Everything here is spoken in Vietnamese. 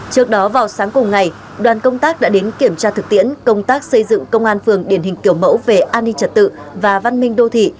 trước đó vào sáng cùng ngày đoàn công tác đã đến kiểm tra thực tiễn công tác xây dựng công an phường điển hình kiểu mẫu về an ninh trật tự và văn minh đô thị